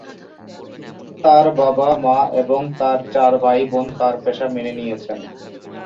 তার বাবা-মা এবং তার চার ভাইবোন তার পেশা মেনে নিয়েছেন।